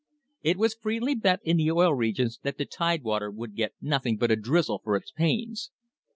It was freely bet in the Oil Regions that the Tidewater would get nothing but a drizzle for its pains.